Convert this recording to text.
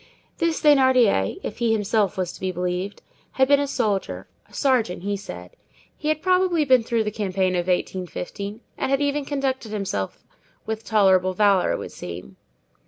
This Thénardier, if he himself was to be believed, had been a soldier—a sergeant, he said. He had probably been through the campaign of 1815, and had even conducted himself with tolerable valor, it would seem.